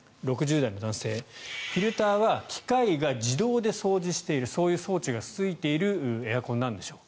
６０代の男性、フィルターは機械が自動で掃除しているそういう装置がついているエアコンなんでしょう。